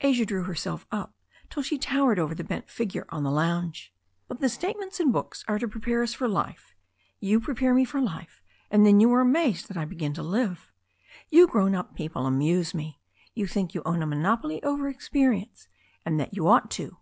Asia drew herself up till she towered over the bent figure on the lounge. "But the statements in books are to prepare us for life. You prepare me for life, and then you are amazed that I begin to live. You grown up people amuse me. You think you own a monopoly over experience, and that you ought to."